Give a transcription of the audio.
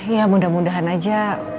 ya mudah mudahan aja